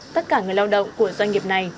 tất cả người lao động của doanh nghiệp này